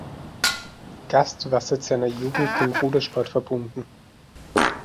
Gast war seit seiner Jugend dem Rudersport verbunden.